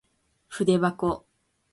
ふでばこ